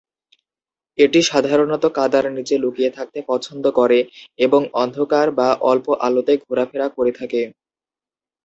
এটি সাধারণত কাদার নিচে লুকিয়ে থাকতে পছন্দ করে এবং অন্ধকার বা অল্প আলোতে ঘোরাফেরা করে থাকে।